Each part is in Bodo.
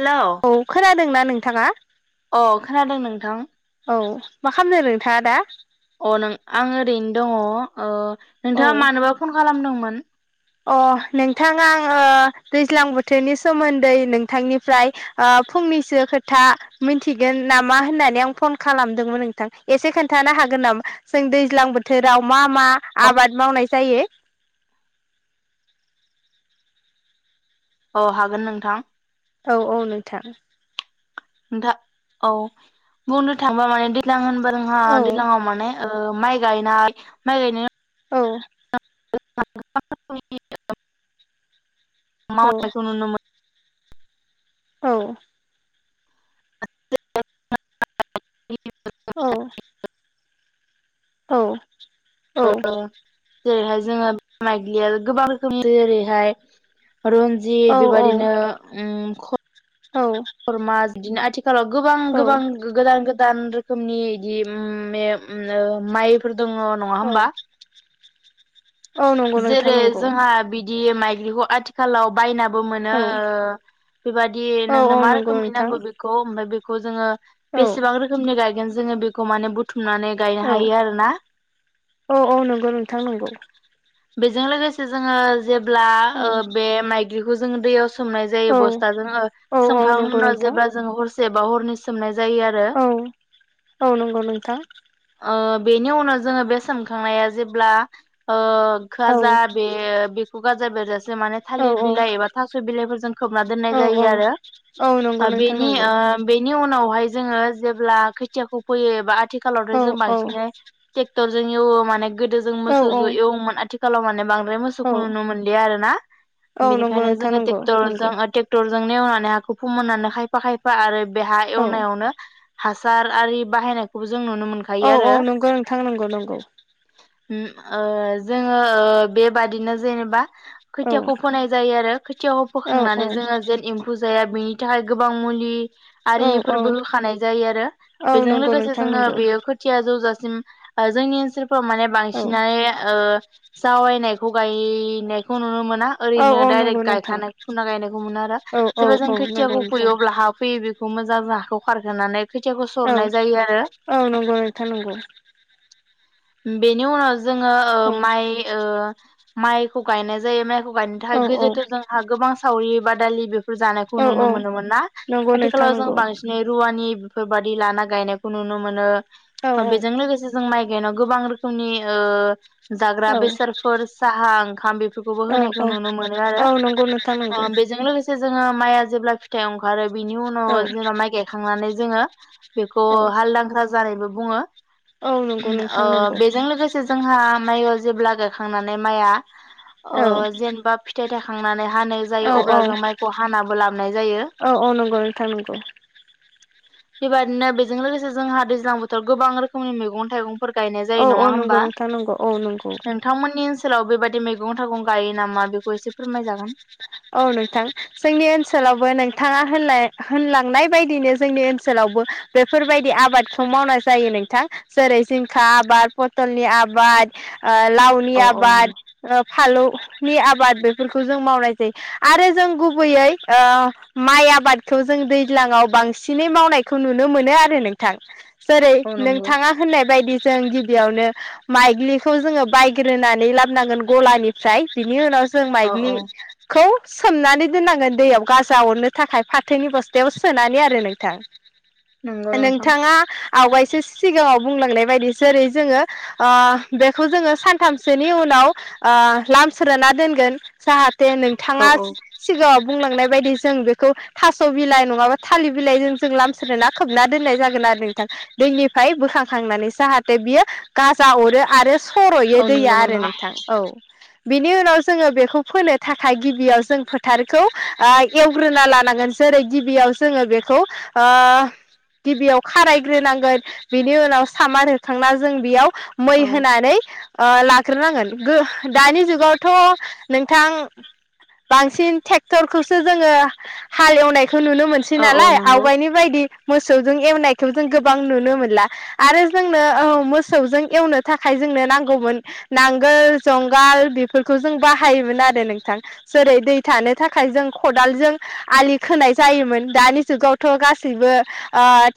हेलौ। दोंना नोंथांङा। अ खोनादों नोंथां। औ मा खालामदों नोंथाङा दा। अ नों आं ओरैनो दङ ओ औ नोंथाङा मानोबा फन खालामदों मोन। अ नोंथां आंङो दैज्लां बोथोरनि सोमोन्दै नोंथांनिफ्राय ओ फुंनिसो खोथा मोनथिगोन नामा होननानै आं फन खालामदोंमोन नोंथां एसे खोन्थानो हागोन नामा जों दैज्लां बोथोराव मा। मा अ आबाद मावनाय जायो। औ हागोन नोंथां। औ औ नोंथां। नोंथा औ बुंनो थांङोबा माने दैलां होनबाथा जोंहा औ दैज्लांव माने ओ- माइ। गायनाय माइ गायनाय। औ [unintelligible] औ मायनायखौ नुनो मोन औ मोनो औ औ औ ओ-ओ- जेरैहाय जोङो [unintelligible] गोबां रोखोमनि जेरैहाय। रन्जित बेबायदिनो ओम क रमा बिदिनो आथिं खालाव गोबां औ गोबां गो-गोदान गोद दान रोखोमनि इदि उम मे ओ- उम ओ माइफोर दोङ नङा औ होमबा? औ नंगौ नोंथां जेरै नंगौ जोंहा बिदि दि माइग्लिखौ आथिखालाव बायना। बो मोनो औ ओ- बेबादि औ औ नोंनो मा नंगौ रोखोमै नोंथां नांगौ बेखौ ओमफाय बे खौ जोङो। औ बेसेबां रोखोमनि गायगोन जोङो बे खौ माने बुथ औ औ औ नंगौ नोंथां नंगौ। बेजों लोगोसे जोङो। जेब्ला औ ओ- बे माइग्रिखौ ज जों दैयाव सोम सोमनाय जायो औ बसथाजों ओ औ औ सोमखांनाय नंगौ उनाव नोंथां जेब्ला जोंङो हस जायबा हरनि सोमनाय जायो आरो औ औ नंगौ नोंथां। ओ बेनि उनाव जोङो बे सोमखांनाया जेब्ला ओ - औ खोआजा बे बेखौ गाज जा बेरजा माने औ थालिर बिलाइ एबा थास' बिलाइफोरजों खोबना दोननाय औ जायो औ आरो औ नंगौ नोंथां बेनि नंगौ ओ- बेनि उन उनावहाय जोङो जेब्ला खोथियाखौ फोयो एबा आथि खालावथ' औ जों औ बांसिनै टेक टरजों एवनो माने गोदो जों औ मोसौज' एवोमोन आथि खालाव माने बां द्राय मोसौखौ औ नुनो मोनलिया आरोना, औ नंगौ बेनिखायनो नोंथां जोङो नंगौ टेकटरजों नंगौ ओ टेकटर जों नेवनानै हाखौ फोमोननानै खायफा खायफा आरो बे हा औ एवनायावनो हासार आरि बाहायनाखौबो औ औ नंग' नोंथां नंग' नंगौ। उम ओ जों ङो ओ बेबादिनो जेनेबा औ खोथियाखौ फोनाय जायो आरो खोथियाखौ औ औ फोखांनानै जोङो जेन एम्फु जाया बेनि थाखाय गोबां मुलि औ औ आरिफोरबो होखानाय जायो आरो औ बेजों नंगौ लोगोसे नोंथां जोङो नंगौ बेयो खोथिया जौजा सिम ओ जोंनि ओनसोल माने औ बांसिनानो ओ जावायनायखौ गायनायखौ नुनो मो ना, औ ओरैनो औ नंगौ डाइरेक्ट नोंथां गायखानाय फुना गायनायखौ मोनो आरो औ औ जेब्ला जों औ नंगौ खोथियाखौ नोंथां फुयो अब्ला हा फैयो बेखौ मोजां जा खौ खारहोनानै खोथियाखौ औ सरनाय जायो आरो औ नंगौ नोंथां नंगौ। बेनि उनाव जोङो ओ औ माइ ओ माइखौ गायनाय जायो। माइखौ गायनो औ थाखाय गोदोथ' जोंहा गोबां सावरि बादालि बे फोर जानायखौ औ नुनो औ मोनोमोन ना? नंगौ नोंथां आथिखालाव जों नंगौ बांसिनै रुवानि बेफोर बादि लाना गायनायखौ नुनो मोनो। औ ओ बेजों लोगोसे जों माइ गायनायाव गोबां रोखोमनि ओ जाग्रा बेसा फोर साहा ओंखाम बे फोरखौबो औ होनायखौ औ नुनो मोनो आरो औ नंगौ नोंथां नंगौ ओ बेजों लोगोसे जोङो। माइआ जेब्ला फिथाइ ओंखारो बिनि उनाव औ जेनेबा माय गायखांनानै जोङो बेखौ औ हालजांख्रा जानायबो बुङो औ नंगौ ओ नोंथां नंगौ बेजों लोगोसे जोंहा माय जेब्ला गाय खांनानै माइआ ओ औ जेनेबा फिथाइ थायखा खांना हानो औ जायो अब्ला औ जों मायखौ हानाबो लाबोनाय जायो। औ औ नंगौ नोंथां नंगौ बेबायदिनो बेजों लोगोसे जोंहा दैज्लां बोथोराव गोबां रोखोमनि मैगं-थाइगं औ-औ नंगौ नोंथां नंगौ औ नंगौ। मोननि ओनसोलाव बेबायदि मैगं थाइगं गायो नामा? बेखौ एसे फोरमायजागोन। औ नोंथां जोंनि ओनसोलावबो नोंथांङा होनलाय होनलांनाय बायदिनो जोंनि ओनसोलावबो बेफोरबायदि आबादखौ मावनाय जायो नोंथां जेरै जिंखा आबाद, पटलनि आबाद, ओ लावनि औ औ आबाद, नंगौ फालौ नि आबाद, बेफोरखौ जों मावनाय आरो जों गुबैयै ओ माइ आबादखौ जों दैज्लांङाव बांसिनै मावनायखौ नुनो मोनो आरो नोंथां। जेरै औ नंगौ नोंथांङा होननाय बायदि जों गिबियावनो माइग्लिखौ जोंङो बायग्रोनानै लाबोनांगोन गलानिफ्राय बिनि उनाव जों औ माइगनि औ खौ सोमनानै दोननांगोन दैयाव गाजा अरनो थाखाय फाथोनि बस्थायाव सोनानै आरो नोंथां। नंगौ नोंथां नोंथांङा आवगायसो सिगांङाव बुंलांनाय बायदि जेरै जोंङो अ बेखौ जोंङो सानथामसोनि उनाव ओ लामस्रोना दोनगोन जाहा थे औ नोंथाङा औ सिगांङाव बुंलांनाय बायदि जों बेखौ थास बिलाइ नंबाङा थालिर बिलाइ जों लामस्रोना खोबना दोननाय जागोन आरो नोंथां दैनिफ्राय बोखांखांनानै जाहाथे बियो गाजा अरो आरो सरयो औ दैया नंगौ आरो नोंथां औ। बिनि उनाव जोंङो बेखौ फोनो थाखाय गिबियाव जों फोथारखौ ओ एवग्रोना लानांगोन जेरै गिबियाव जोंङो बेखौ ओ गिबियाव खारायग्रोनांगोन बेनि उनाव सामान होखांना जों बेयाव मै औ होनानै ओ लाग्रोनांगोन गो दानि जुगावथ नोंथां बांसिन ट्रेक्टरखौसो जोंङो हाल एवनाय खौ नुनो मोनसै औ औ नालाय नंगौ आवगायनि बायदि मोसौजों एवनायखौ जों गोबां नुनो मोनला आरो जोंनो औ मोसौजों एवनो थाखाय जोंनो नांगौमोन नांगोल जंगाल बेफोरखौ जों बाहायोमोन आरो नों थां जेरै दै थानो थाखाय जों खदालजों आलि खोनाय जायोमोन दानि जुगावथ ओ गासैबो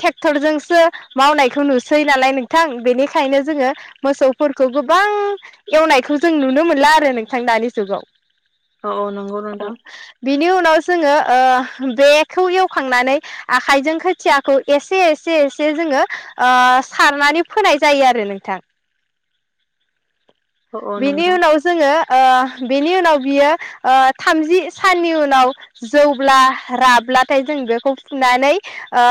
ट्रेक्टरजोंसो मावनायखौ नुसै नालाय नोंथां बेनिखायनो जोंङो मोसौफोरखौ गोबां एवनायखौ जों नुनो मोनला आरो नोंथां दानि जुगाव। औ औ नंगौ औ नोंथां बिनि उनाव जोंङो ओ बेखौ एवखांनानै आखाइजों खोथियाखौ एसे एसे एसे जोंङो ओ सारनानै फोनाय जायो आरो नोंथां। औ औ बिनि नोंथां उनाव जोंङो ओ बेनि उनाव बियो ओ थामजि साननि उनाव जौब्ला राब्लाथाय जों बेखौ फुनानै ओ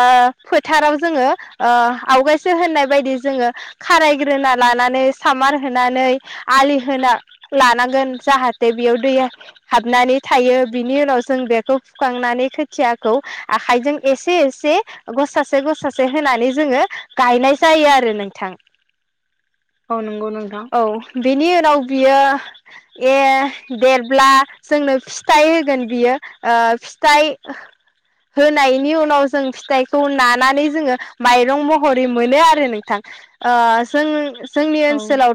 फोथाराव जोङो आवगायसो होननाय बायदि जोङो खारायग्रोना लानानै सामार होनानै आलि होना लानांगोन जाहाथे बेयाव दै हाबनानै थायो बिनि उनाव जों बेखौ फुखांनानै खोथियाखौ आखाइजों एसे एसे गसासे गसासे होनानै जोंङो गायनाय जायो आरो नोंथां। अ नों औ बेनि उनाव बियो ए देरब्ला जोंनो फिथाइ होगोन बियो फिथाइ ओ होनायनि उनाव जों फिथाइखौ नानानै जोंङो माइरं महरै मोनो आरो नोंथां। ओ जों जोंनि औ ओनसोलाव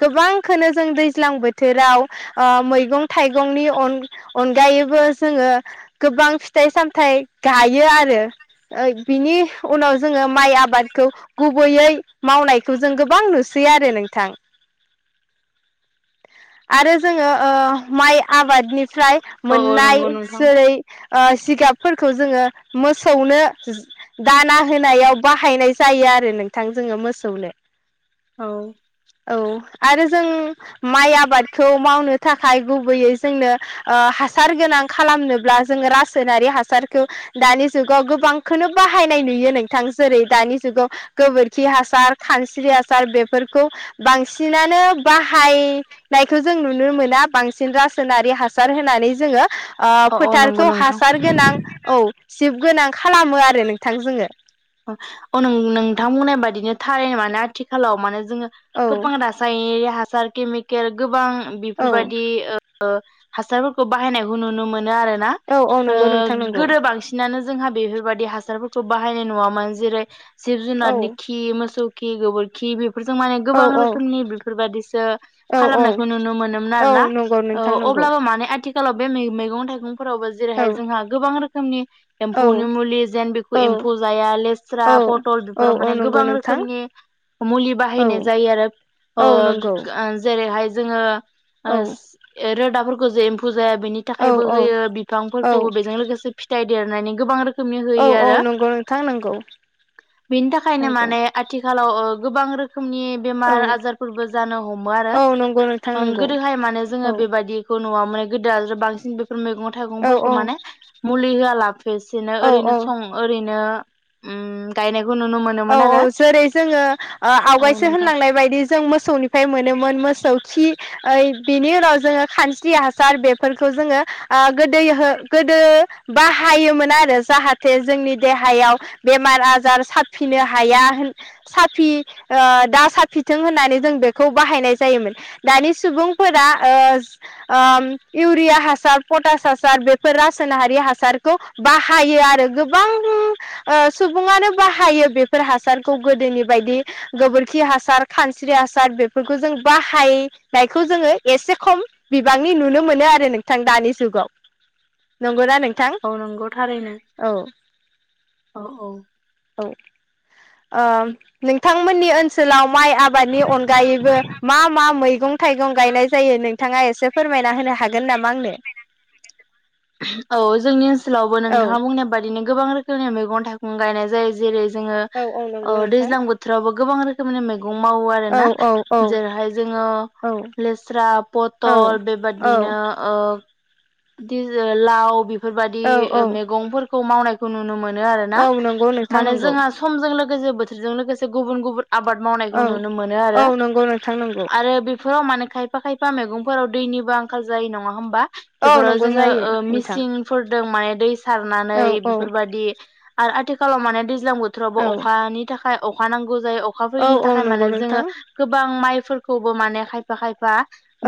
गोबांखोनो जों दैज्लां बोथोराव ओ मैगं थाइगंनि अन-अनगायैबो जोङो गोबां फिथाइ सामथाइ गायो आरो ओ बिनि उनाव जोङो माइ आबादखौ गुबैयै मावनायखौ जों गोबां नुसै आरो नोंथां। आरो जोंङो ओ माइ आबादनि फ्राय औ औ मोननाय नंगौ नोंथां जेरै ओ जिगाबफोरखौ जोंङो मोसौनो दाना होनायाव बाहायनाय जायो आरो नोंथां जोङो मोसौनो। औ। औ आरो जों माइ आ बादखौ मावनो थाखाय गुबैयै जोंनो ओ हासार गोनां खालामनोब्ला जोंङो रासायनारि हासारखौ दानि जुगाव गोबांखोनो बाहायनाय नुयो नोंथां जेरै दानि जुगाव गोबोरखि हासार खानस्रि हासार बेफोरखौ बांसिनानो बाहाय नायखौ जों नुनो मोना बांसिन रासायनारि हासार होनानै जोङो ओ औ औ नंगौ फोथारखौ नोंथां हासार गोनां औ सिब गोनां खालामो आरो नोंथां जोङो। अ नों-नोंथां बुंनाय बायदिनो थारैनो माने आथिखालाव माने ङो औ गोबां रासाय जार केमिकेल गोबां औ बेफोरबादि ओ हासारफोरखौ बाहायनायखौ नुनो मोनो आरो ना औ औ नंगौ ओह नोंथां नंगौ गोदो बांसिनानो जोंहा बेफोरबायदि हासारफोरखौ बाहायनाय नुवा मोन जेरै जिब औ जुनारनि खि मोसौ खि गोबोरखि बि जों माने औ गोबां औ रोखोमनि बेफोरबादिसो औ औ खालामनायखौ नुनो मोनोमोन औ आरोना नंगौ ओ नोंथां नंगौ अब्लाबो माने आथि खालाव बे मै-मैगं थाइगं फोरावबो औ जेरैहाय जोंहा गोबां रोखोमनि औ एम्फौनि मुलि जेन बेखौ औ एम्फौ जाया औ लेस्रा, फटल औ बेफोराव औ माने नंगौ गोबां नोंथां रोखोमनि मुलि औ बाहायनाय जायो आरो ओ औ नंगौ जेरैहाय जोङो औ ओस रोदाफोरखौ जे एम्फु जाया बेनि औ थाखायबो औ होयो औ बिफांफोरखौबो बेजों लोगोसे फिथाइ देरनायनि गोबां रो औ औ नंगौ नोंथां। नंगौ बिनि थाखायनो नंगौ माने आथिखालाव ओह गोबां रो खोमनि औ बेमार आजारफोरबो जानो हमो आरो औ नंगौ नोंथां ओं नंगौ गोदोहाय माने औ जोङो बेबायदिखौ नङामोन गोदो आरो बांसिन बे मैगं औ थाइगंफोरखौ माने औ मुलि होआलाबोसेनो औ ओरैनो औ सं ओरैनो ओम गायनाय औ औ जेरै जोङो ओह औ आवगायसो नोंथां होनलांनाय बायदि जों मोसौनिफ्राय मोनोमोन मोस सौ खि ओइ बेनि उनाव जोङो खानस्रि हासार बेफोरखौ जोङो ओह गोदोयो गोदो बाहायोमोन आरो जाहाथे जोंनि देहायाव बेमार आजार सा फिनो हाया होन साफि ओह दा साफिथों होननानै जों बेखौ बाहायनाय जायोमोन दानि सुबुंफोरा ओस ओम इउरिया हासार पटास हासार बेफोर रासायनारि हासारखौ बाहायो आरो गोबां सुबुङानो बाहायो। बेफोर हासारखौ गोदोनि बायदि गोबोरखि हासार खानस्रि हासार बेफोरखौ जों बाहायनायखौ जोङो एसे खम बिबांनि नुनो मोनो आरो नोंथां दानि जुगाव नंगौना नों औ नंगौ थारैनो औ औ। औ ओ नोंथांमोननि ओनसोलाव माइ आबादनि अनगायैबो मा मा मैगं थाइगं गायनाय जायो नोंथाङा एसे फोरमायना होनो हागोन नामा आंनो? औ जोंनि ओनसोल लावबो औ नोंथाङा बुंनाय बादिनो गोबां रोखो खोमनि मैगं थाइं गायनाय जायो जेरै जोङो औ ओ नंगौ नोंथां दैज्लां बोथोरावबो गोबां रोखोमनि मैग गं मावो औ आरोना औ औ जेरैहाय जोङो औ लेस्रा पतल औ बेबादिनो ओ लाव बि बिफोरबायदि औ औ मैगंफोरखौ मावनाय खौ नुनो मोन नो आरो ना औ नंगौ नोंथां माने नंगौ जोंहा समजों लो गोजो बोथोरजों लोगोसे गुबुन गुबुन आबाद मावनायखौ औ नुनो मोनो आरो औ नंगौ नोंथां नंगौ आरो बेफोराव माने खायफा खायफा मैगंफोराव दैनिबो आंखाल जायो नङा होमबा? औ बेफोराव नंगौ जोङो जायो ओ नोंथां मिसिंफोरदों माने दै सारनानै औ औ बेफोरबादि आरो आथिखा खालाव माने दै ज्लां बोथोरावबो औ अखानि थाखाय अखा नांग गौ जायो अखा औ फोयैनि औ थाखाय नंगौ माने नोंथां जोंङो गोबां माइ फोरखौबो माने खायफा खायफा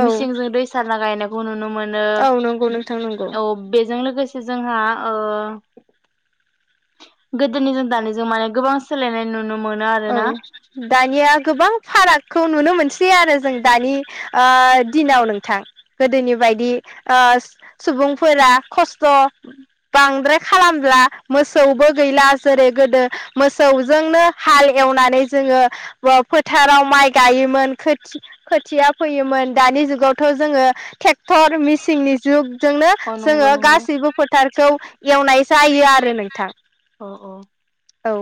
औ मिसिंजों दै सारना गायनायखौ नुनो मोनो। औ नंगौ नोंथां नंगौ औ बेजों लोगोसे से जोंहा ओ गोदोनि जों दानिजों माने गोबां सोलायनाय नु औ दानिया गोबां फारागखौ नुनो मोनसै। सै आरो जों दानि ओ दिनाव नोंथां गोदोनि बायदि ओ सुबुंफोरा खस्थ' बांद्राय खालामला मोसौबो गैला जेरै गोदो मोसौजोंनो हाल एवनानै जोङो फोथाराव माइ गायोमोन खोथि-खोथिया फैयोमोन दानि जुगावथ' जोङो टेक्टर मेसिंनि जुग जोंनो अ नंगौ जोङो नंगौ गासैबो फोथारखौ एवनाय जायो आरो नोंथां। अ अ औ।